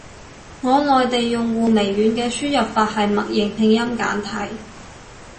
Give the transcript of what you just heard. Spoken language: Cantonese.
我內地用戶，微軟嘅輸入法係默認拼音簡體。